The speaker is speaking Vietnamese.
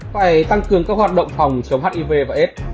phải tăng cường các hoạt động phòng chống hiv và s